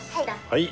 はい。